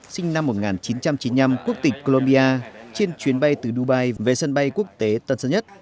sinh năm một nghìn chín trăm chín mươi năm quốc tịch colombia trên chuyến bay từ dubai về sân bay quốc tế tân sơn nhất